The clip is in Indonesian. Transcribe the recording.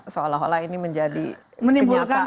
seolah olah ini menjadi penyataan menimbulkan